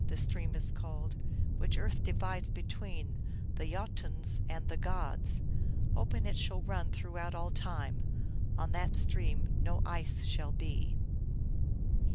Ifing the stream is called which earth divides between the Jotuns and the gods. Open it shall run throughout all time. On that stream no ice shall be."